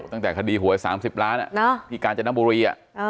ตั้งแต่คดีหวย๓๐ล้านที่กาญจนบุรี